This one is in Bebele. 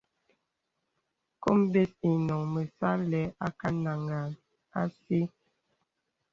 Kôm bə̀s inôŋ məsà àlə̀ anàŋha àsī.